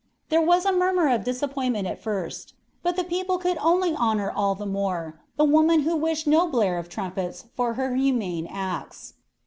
There was a murmur of disappointment at first, but the people could only honor all the more the woman who wished no blare of trumpets for her humane acts.